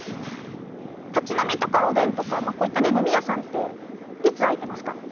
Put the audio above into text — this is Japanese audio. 立ち飲みとかおでんとかこういった飲み屋さんっていつ開いてますか？